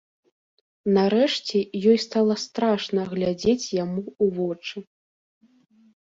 Нарэшце ёй стала страшна глядзець яму ў вочы.